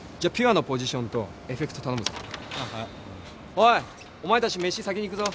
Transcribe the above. おいお前たちメシ先に行くぞ！